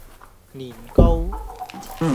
年糕